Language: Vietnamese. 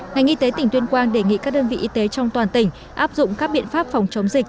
ngành y tế tỉnh tuyên quang đề nghị các đơn vị y tế trong toàn tỉnh áp dụng các biện pháp phòng chống dịch